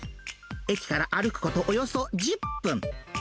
駅から歩くこと、およそ１０分。